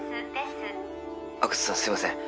すいません